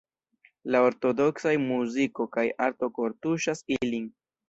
La ortodoksaj muziko kaj arto kortuŝas ilin.